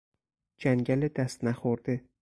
جنگل دست نخورده